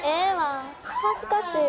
恥ずかしいわ。